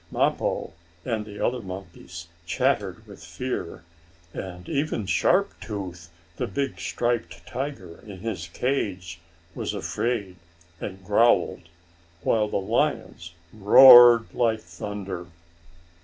Mappo and the other monkeys chattered with fear, and even Sharp Tooth, the big striped tiger, in his cage, was afraid, and growled, while the lions roared like thunder.